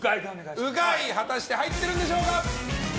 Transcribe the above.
果たして入ってるんでしょうか。